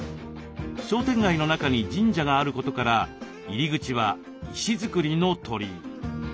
商店街の中に神社があることから入り口は石造りの鳥居。